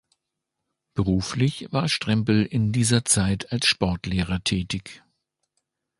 Beruflich war Strempel in dieser Zeit als Sportlehrer tätig.